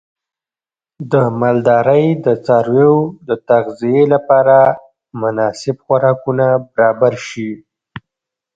د مالدارۍ د څارویو د تغذیې لپاره مناسب خوراکونه برابر شي.